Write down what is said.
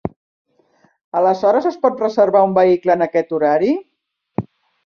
Aleshores es pot reservar un vehicle en aquest horari?